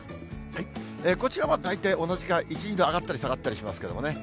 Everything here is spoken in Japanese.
こちらは大体同じか、１、２度上がったり下がったりしますけどね。